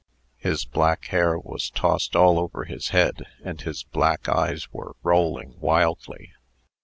His black hair was tossed all over his head, and his black eyes were rolling wildly.